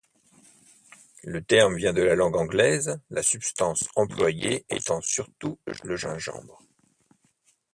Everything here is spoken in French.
Le terme vient de la langue anglaise, la substance employée étant surtout le gingembre.